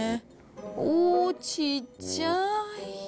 おー、ちっちゃい。